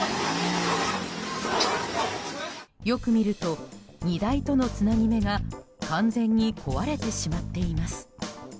よく見ると、荷台とのつなぎ目が完全に壊れてしまっています。